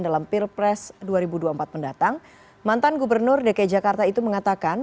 dalam pilpres dua ribu dua puluh empat mendatang mantan gubernur dki jakarta itu mengatakan